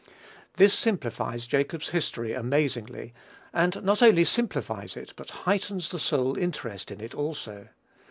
This simplifies Jacob's history amazingly, and not only simplifies it, but heightens the soul's interest in it also.